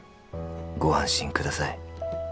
「ご安心ください」